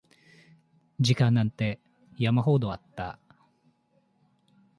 時間なんて山ほどあった